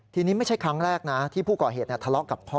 ทีนี้ไม่ใช่ครั้งแรกนะที่ผู้ก่อเหตุทะเลาะกับพ่อ